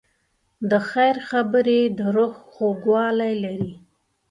د خیر خبرې د روح خوږوالی لري.